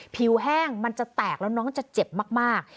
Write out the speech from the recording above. แห้งมันจะแตกแล้วน้องจะเจ็บมาก